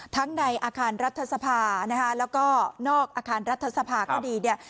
ในอาคารรัฐสภานะคะแล้วก็นอกอาคารรัฐสภาก็ดีเนี่ย